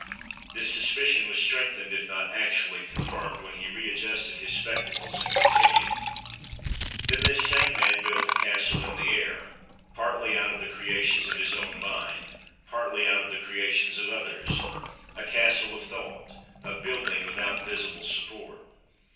This suspicion was strength ened, if not actually confirmed, when he readjusted his spectacles and continued :' Then this same man built a castle in the air partly out of the creations of his own mind, partly out of the creations of others, a castle of thought, a building without visible support.